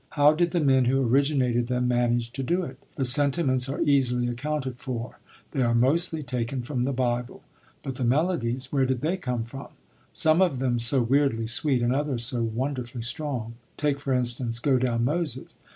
How did the men who originated them manage to do it? The sentiments are easily accounted for; they are mostly taken from the Bible; but the melodies, where did they come from? Some of them so weirdly sweet, and others so wonderfully strong. Take, for instance, "Go down, Moses."